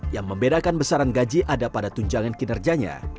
yang membedakan besaran gaji ada pada tunjangan kinerjanya